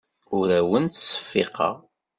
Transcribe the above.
Ur awen-ttseffiqeɣ.